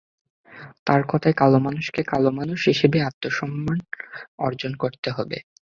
তাঁর কথায়, কালো মানুষকে কালো মানুষ হিসেবেই আত্মসম্মান অর্জন করতে হবে।